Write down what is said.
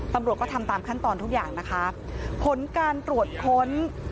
ตำรวจก็ทำตามขั้นตอนทุกอย่างนะคะผลการตรวจค้น